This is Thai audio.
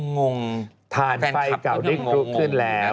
งงฟานคลับ